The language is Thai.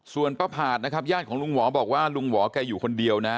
ส่วนป้าผาดนะครับญาติของลุงหวอบอกว่าลุงหวอแกอยู่คนเดียวนะ